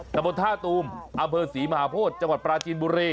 ตะบนท่าตูมอำเภอศรีมหาโพธิจังหวัดปราจีนบุรี